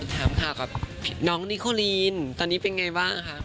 ถามข่าวกับน้องนิโคลีนตอนนี้เป็นไงบ้างคะ